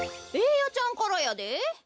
ベーヤちゃんからやで。